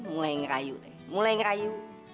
mulai ngerayu eh mulai ngerayu